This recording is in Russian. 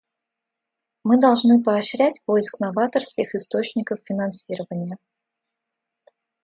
Мы должны поощрять поиск новаторских источников финансирования.